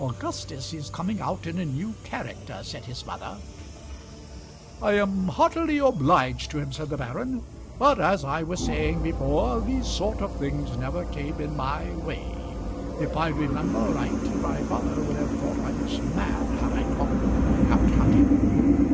"Augustus is coming out in a new character," said his mother. "I am heartily obliged to him," said the baron. "But, as I was saying before, these sort of things never came in my way. If I remember right, my father would have thought I was mad had I talked of going out hunting.